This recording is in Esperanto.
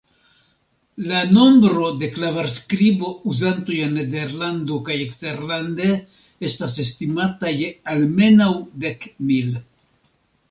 La nombro de Klavarskribo-uzantoj en Nederlando kaj eksterlande estas estimata je almenaŭ dek mil.